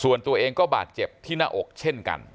ส่วนตัวเองก็บาดเจ็บที่หน้าอกเช่นกัน